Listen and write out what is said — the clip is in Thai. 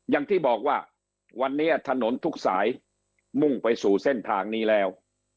อย่างที่บอกว่าวันนี้ถนนทุกสายมุ่งไปสู่เส้นทางนี้แล้ว